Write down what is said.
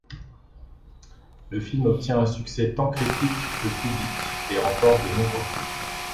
Le film obtient un succès tant critique que public et remporte de nombreux prix.